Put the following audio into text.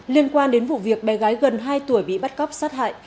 liên quan đến vụ việc bé gái gần hai tuổi bị bắt cóc sát hại